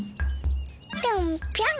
ぴょんぴょん。